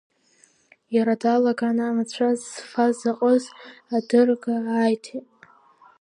Иара даалаган, амацәаз зфаз аҟыз адырга аиҭеит…